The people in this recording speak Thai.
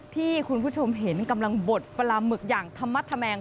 ที่คุณผู้ชมเห็นกำลังบดปลาหมึกอย่างธรรมธแมง